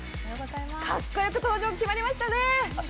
かっこよく登場決まりましたね。